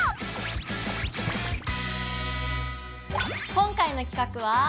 今回の企画は。